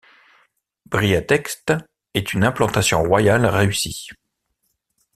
Briatexte est une implantation royale réussie.